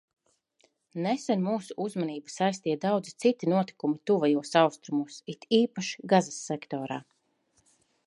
Nesen mūsu uzmanību saistīja daudzi citi notikumi Tuvajos Austrumos, it īpaši Gazas sektorā.